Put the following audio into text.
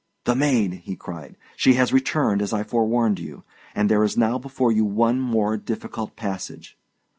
"The maid!" he cried. "She has returned, as I forewarned you, and there is now before you one more difficult passage.